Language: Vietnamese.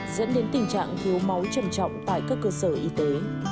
dẫn đến tình trạng thiếu máu trầm trọng tại các cơ sở y tế